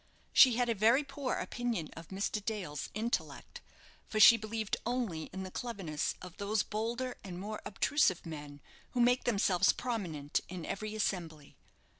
She had a very poor opinion of Mr. Dale's intellect, for she believed only in the cleverness of those bolder and more obtrusive men who make themselves prominent in every assembly.